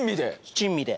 珍味で。